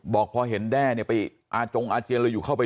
บอกพอเห็นแด้เนี่ยไปอาจงอาเจียนอะไรอยู่เข้าไป